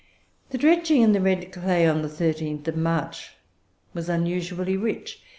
"The dredging in the red clay on the 13th of March was usually rich.